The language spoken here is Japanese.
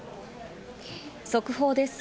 速報です。